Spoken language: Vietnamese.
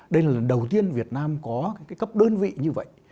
đây là lần đầu tiên việt nam có cái cấp đơn vị như vậy